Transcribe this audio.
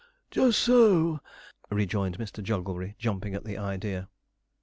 'Just so,' rejoined Mr. Jogglebury, jumping at the idea.